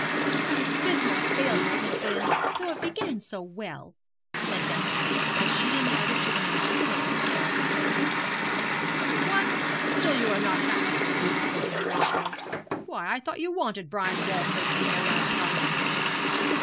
'What a dismal failure it has been, though it began so well!' said Bessie, as she and the other juveniles went upstairs to bed. 'What! still you are not happy,' quoted Horatio. 'Why, I thought you wanted Brian Walford to marry Ida Palliser?'